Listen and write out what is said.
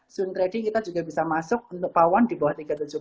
zone trading kita juga bisa masuk untuk pawon di bawah tiga ratus tujuh puluh